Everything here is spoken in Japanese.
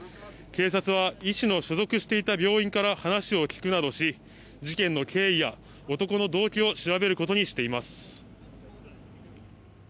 警察は医師の所属していた病院から話を聞くなどし事件の経緯や男の動機などを調べることにしています。